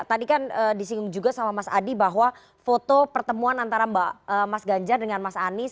tadi kan disinggung juga sama mas adi bahwa foto pertemuan antara mas ganjar dengan mas anies